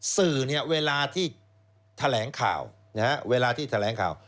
สื่อเวลาที่แถลงข่าว